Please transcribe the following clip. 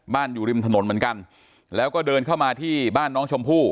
อยู่ริมถนนเหมือนกันแล้วก็เดินเข้ามาที่บ้านน้องชมพู่